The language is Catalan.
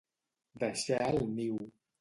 Deixar el niu.